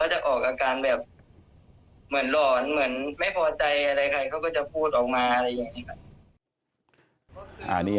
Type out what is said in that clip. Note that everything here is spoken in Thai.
จะออกอาการแบบเหมือนหลอนเหมือนไม่พอใจอะไรใครเขาก็จะพูดออกมาอะไรอย่างนี้ครับ